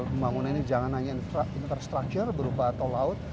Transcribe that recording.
pembangunannya jangan hanya infrastructure berupa tol laut